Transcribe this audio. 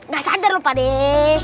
gak sadar lho pak dek